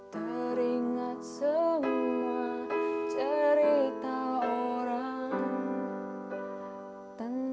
teringat semua cerita orang